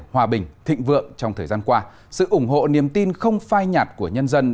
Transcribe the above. hòa bình thịnh vượng trong thời gian qua sự ủng hộ niềm tin không phai nhạt của nhân dân